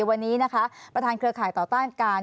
วันนี้นะคะประธานเครือข่ายต่อต้านการ